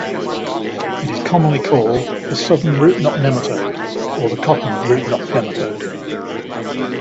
It is commonly called the "southern root-knot nematode'" or the "cotton root-knot nematode".